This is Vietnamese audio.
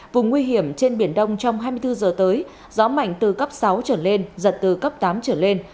vùng nguy hiểm trên biển đông trong hai mươi bốn giờ tới gió mạnh từ cấp sáu trở lên giật từ cấp tám trở lên